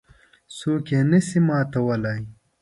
څوک یې نه شي ماتولای.